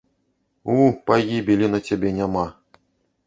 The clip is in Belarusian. У, пагібелі на цябе няма.